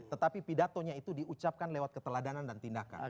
tetapi pidatonya itu diucapkan lewat keteladanan dan tindakan